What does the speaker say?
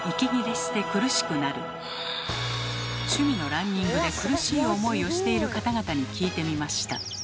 趣味のランニングで苦しい思いをしている方々に聞いてみました。